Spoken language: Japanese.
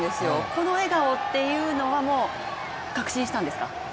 この笑顔っていうのはもう確信したんですか？